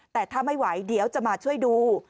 แต่ถ้าไม่ไหวเดี๋ยวจะมาช่วยดู